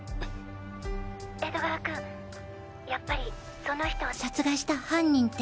江戸川君やっぱりその人を殺害した犯人って。